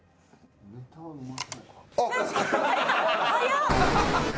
早っ。